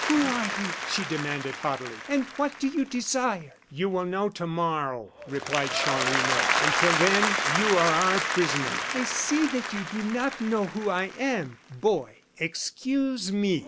"Who are you?" she demanded, haughtily, "and what do you desire?" "You will know to morrow," replied Chanlouineau. "Until then, you are our prisoner." "I see that you do not know who I am, boy." "Excuse me.